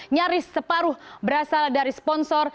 nyaris separuh berasal dari sponsor